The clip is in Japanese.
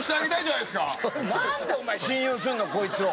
なんでお前信用するの？こいつを。